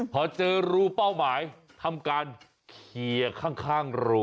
พอเจอรูเป้าหมายทำการเคลียร์ข้างรู